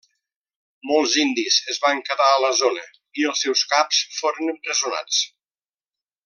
Molts indis es van quedar a la zona, i els seus caps foren empresonats.